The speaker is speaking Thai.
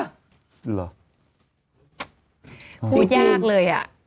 หรอจริงพูดยากเลยอะ